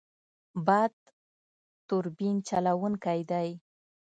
باد توربین چلوونکی دی.